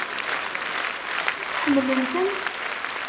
Ḥemmlen-tent?